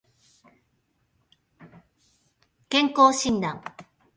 健康診断